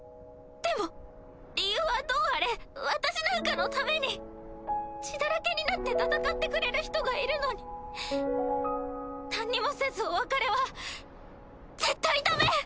でも理由はどうあれ私なんかのために血だらけになって戦ってくれる人がいるのになんにもせずお別れは絶対ダメ！